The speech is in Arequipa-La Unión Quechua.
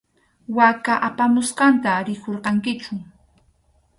Waka apamusqanta rikurqankichu.